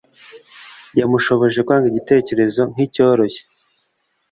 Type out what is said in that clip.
yamushoboje kwanga igitekerezo nkicyoroshye.